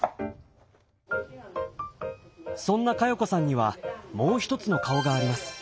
そんな加代子さんにはもう一つの顔があります。